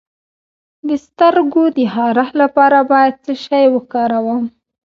د سترګو د خارښ لپاره باید څه شی وکاروم؟